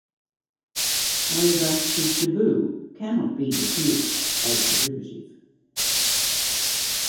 However, his debut cannot be dismissed as derivative.